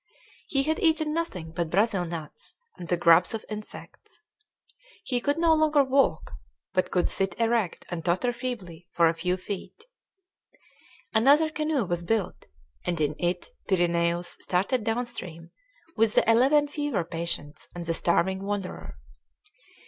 He had eaten nothing but Brazil nuts and the grubs of insects. He could no longer walk, but could sit erect and totter feebly for a few feet. Another canoe was built, and in it Pyrineus started down stream with the eleven fever patients and the starving wanderer.